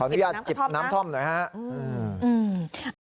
อนุญาตจิบน้ำท่อมหน่อยครับ